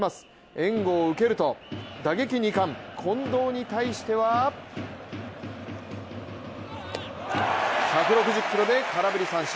援護を受けると、打撃２冠・近藤に対しては１６０キロで空振り三振。